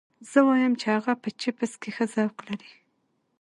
زه وایم چې هغه په چپس کې ښه ذوق لري